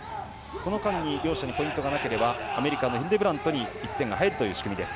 この間に両者にポイントがなければアメリカのヒルデブラントに１点が入る仕組みです。